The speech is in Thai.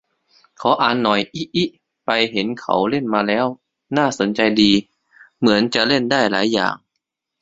ขออ่านหน่อย อิอิ ไปเห็นเขาเล่นมาแล้วน่าสนใจดี เหมือนจะเล่นได้หลายอย่าง